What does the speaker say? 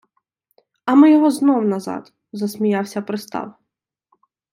- А ми його знов назад! - засміявся пристав.